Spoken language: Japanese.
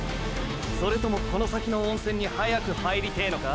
それともこの先の温泉に早く入りてぇのか。